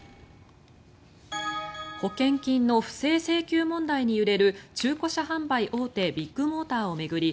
保険金の不正請求問題に揺れる中古車販売大手ビッグモーターを巡り